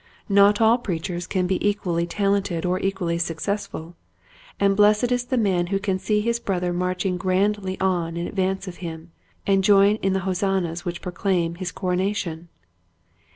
Not all preachers can be equally talented or equally successful, and blessed 146 Quiet Hints to Growing Preachers, is the man who can see his brother march ing grandly on in advance of him and join in the hozannas which proclaim his coro nation.